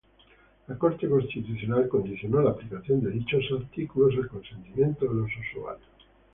La Corte Constitucional condicionó la aplicación de dichos artículos al consentimiento de los usuarios.